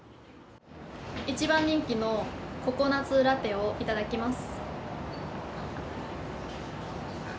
一番人気のココナッツラテをいただきます。